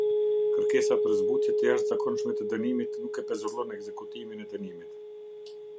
Kërkesa për zbutje të jashtëzakonshme të dënimit nuk e pezullon ekzekutimin e dënimit.